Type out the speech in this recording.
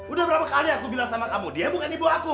udah berapa kali aku bilang sama kamu dia bukan ibu aku